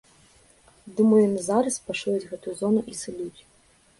Думаю, яны зараз пашыраць гэтую зону і сыдуць.